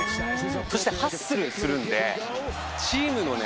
そしてハッスルするのでチームのね